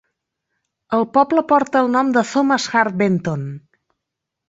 El poble porta el nom de Thomas Hart Benton.